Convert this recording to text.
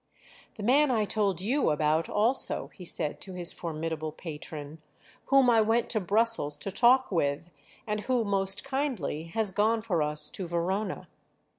"The man I told you about also," he said to his formidable patron; "whom I went to Brussels to talk with and who, most kindly, has gone for us to Verona.